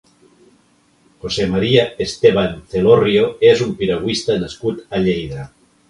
José María Esteban Celorrio és un piragüista nascut a Lleida.